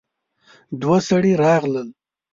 دوه سړي راغلل.